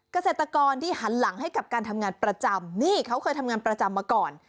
เกษตรกรที่หันหลังให้กับการทำงานประจำนี่เขาเคยทำงานประจำมาก่อน